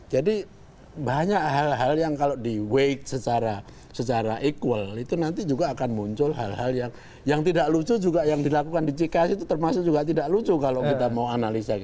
jadi banyak hal hal yang kalau di weight secara equal itu nanti juga akan muncul hal hal yang tidak lucu juga yang dilakukan di cks itu termasuk juga tidak lucu kalau kita mau analisa